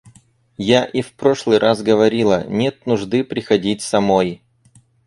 Я и в прошлый раз говорила: нет нужды приходить самой.